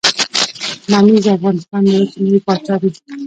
ممیز د افغانستان د وچې میوې پاچا دي.